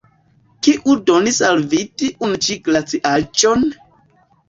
Kiu donis al vi tiun ĉi glaciaĵon?